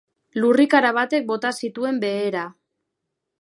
Lurrikara batek bota zituen behera.